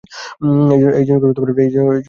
এই জিনিসগুলো সেখানেও বলা হয়েছে।